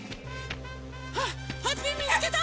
ハッピーみつけた！